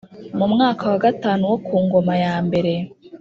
Mu mwaka wa gatanu wo ku ngoma yambere